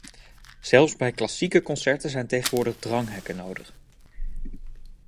Zelfs bij klassieke concerten zijn tegenwoordig dranghekken nodig.